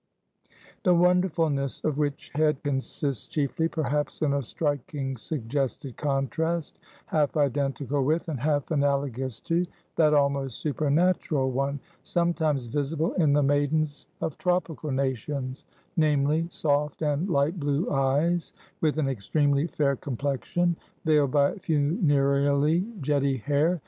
The wonderfulness of which head consists chiefly, perhaps, in a striking, suggested contrast, half identical with, and half analogous to, that almost supernatural one sometimes visible in the maidens of tropical nations namely, soft and light blue eyes, with an extremely fair complexion; vailed by funereally jetty hair.